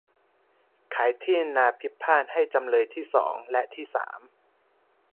ขายที่นาพิพาทให้จำเลยที่สอง และที่สาม